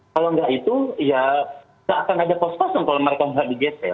kalau nggak itu ya nggak akan ada kos kosan kalau mereka mulai digeser